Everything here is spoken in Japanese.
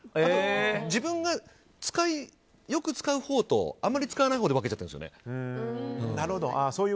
自分がよく使うほうとあまり使わないほうで分けてるんですよね。